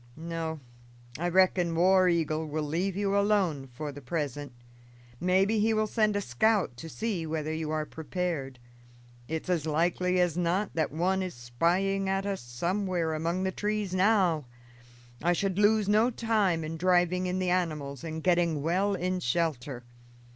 No, I reckon War Eagle will leave you alone for the present. Maybe he will send a scout to see whether you are prepared; it's as likely as not that one is spying at us somewhere among the trees now. I should lose no time in driving in the animals and getting well in shelter.